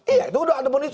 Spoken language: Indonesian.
iya itu udah ada penyidik